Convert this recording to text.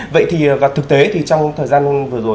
vậy thì và thực tế thì trong thời gian vừa rồi